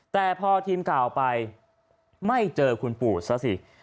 แต่พอทีมข่าวไปไม่เจอคุณปู่ซะสิ